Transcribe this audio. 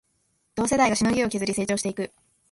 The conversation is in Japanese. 同世代がしのぎを削り成長していく